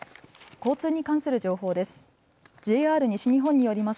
交通に関する情報です。